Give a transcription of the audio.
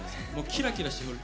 キラキラしてる。